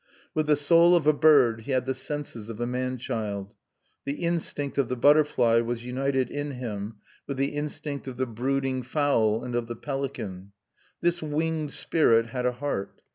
With the soul of a bird, he had the senses of a man child; the instinct of the butterfly was united in him with the instinct of the brooding fowl and of the pelican. This winged spirit had a heart.